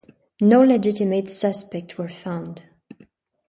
No legitimate suspects were found.